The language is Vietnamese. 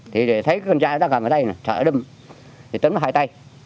thì thấy con trai nó đang gầm ở đây sợ đâm thì túm bắt hai tay